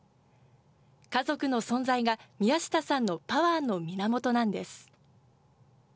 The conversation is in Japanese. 家族の存在が宮下さんのパワーの源なんです。